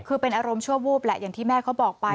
คือเป็นอารมณ์ชั่ววูบแหละอย่างที่แม่เขาบอกไป